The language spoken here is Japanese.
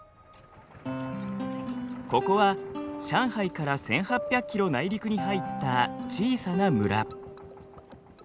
ここは上海から１，８００キロ内陸に入った小さな村。